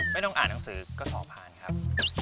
ไม่ต้องอ่านหนังสือก็สอบผ่านครับ